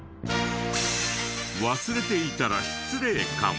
忘れていたら失礼かも？